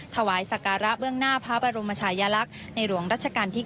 ถวายสักการะเบื้องหน้าพระบรมชายลักษณ์ในหลวงรัชกาลที่๙